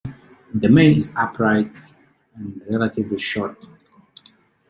The mane is upright and relatively short.